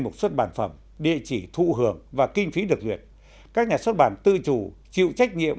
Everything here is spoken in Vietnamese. mục xuất bản phẩm địa chỉ thụ hưởng và kinh phí được duyệt các nhà xuất bản tự chủ chịu trách nhiệm